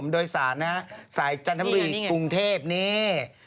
โดยศาลชาติศาสตร์จันทบุรีกรุงเทพนี่